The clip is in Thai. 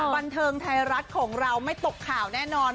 บันเทิงไทยรัฐของเราไม่ตกข่าวแน่นอน